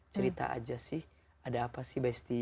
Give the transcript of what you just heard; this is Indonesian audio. cerita aja sih ada apa sih besti